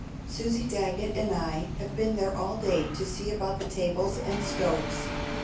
Susie Daggett and I have been there all day to see about the tables and stoves.